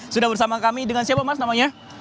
sudah bersama kami dengan siapa mas namanya